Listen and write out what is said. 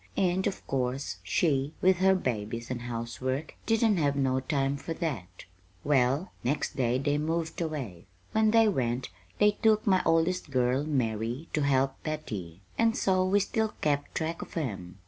And of course she, with her babies and housework, didn't have no time for that. "Well, next they moved away. When they went they took my oldest girl, Mary, to help Betty; and so we still kept track of 'em.